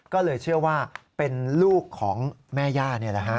ก็เลยเชื่อว่าเป็นลูกของแม่ย่า